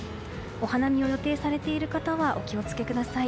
お花見を予定されている方はお気を付けください。